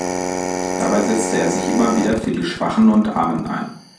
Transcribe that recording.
Dabei setzte er sich immer wieder für die Schwachen und Armen ein.